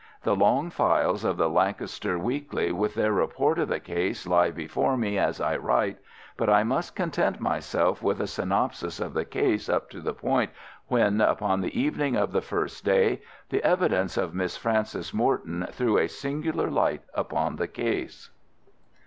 The long files of the Lancaster Weekly with their report of the case lie before me as I write, but I must content myself with a synopsis of the case up to the point when, upon the evening of the first day, the evidence of Miss Frances Morton threw a singular light upon the case.